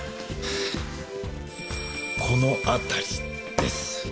この辺りです。